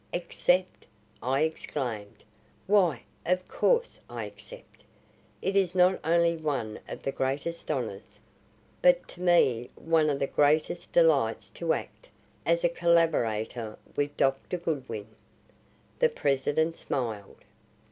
"Accept!" I exclaimed. "Why, of course, I accept. It is not only one of the greatest honors, but to me one of the greatest delights to act as a collaborator with Dr. Goodwin." The president smiled.